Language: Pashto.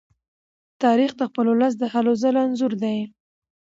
تاریخ د خپل ولس د هلو ځلو انځور دی.